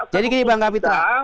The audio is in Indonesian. jadi bang kapitra